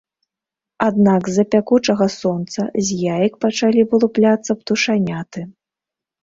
Аднак з-за пякучага сонца з яек пачалі вылупляцца птушаняты.